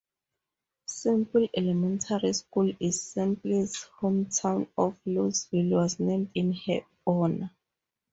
Semple Elementary School in Semple's hometown of Louisville was named in her honor.